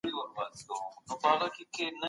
د ارغنداب سیند پراخ اغېز لري.